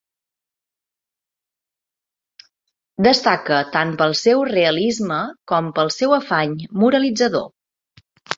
Destaca tant pel seu realisme com pel seu afany moralitzador.